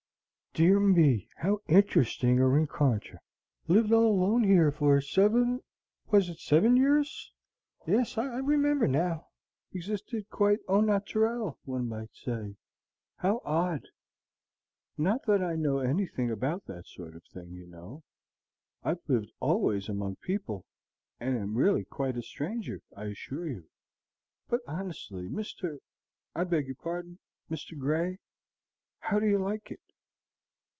Dear me, how interesting a rencontre! Lived all alone here for seven was it seven years? yes, I remember now. Existed quite au naturel, one might say. How odd! Not that I know anything about that sort of thing, you know. I've lived always among people, and am really quite a stranger, I assure you. But honestly, Mr. I beg your pardon Mr. Grey, how do you like it?"